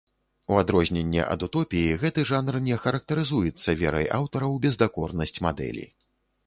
У адрозненне ад утопіі, гэты жанр не характарызуецца верай аўтара ў бездакорнасць мадэлі.